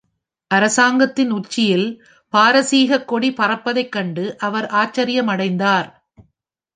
அரசாங்கத்தின் உச்சியில் பாரசீகக் கொடி பறப்பத்தைக் கண்டு அவர் ஆச்சரியமடைந்தார்.